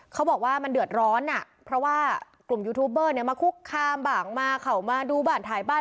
เขาบอกว่ามันเดือดร้อนอ่ะเพราะว่ากลุ่มยูทูบเบอร์เนี่ยมาคุกคามบ้างมาเขามาดูบ้านถ่ายบ้าน